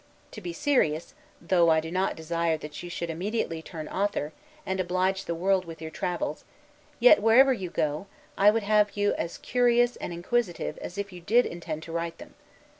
To be serious; though I do not desire that you should immediately turn author, and oblige the world with your travels; yet, wherever you go, I would have you as curious and inquisitive as if you did intend to write them.